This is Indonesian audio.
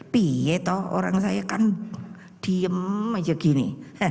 pih toh orang saya kan diem aja gini